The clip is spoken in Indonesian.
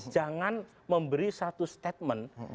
jangan memberi satu statement